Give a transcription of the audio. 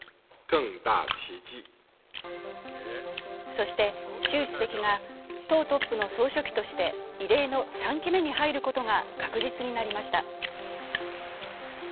そして習主席が問うトップの総書記として異例の３期目に入ることが確実になりました